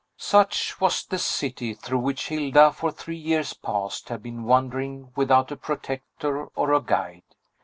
Such was the city through which Hilda, for three years past, had been wandering without a protector or a guide.